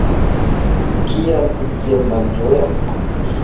Kial vi tiel malĝojas?